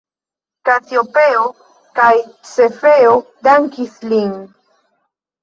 Kasiopeo kaj Cefeo dankis lin.